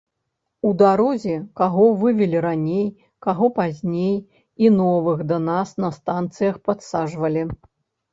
У дарозе каго вывелі раней, каго пазней, і новых да нас на станцыях падсаджвалі.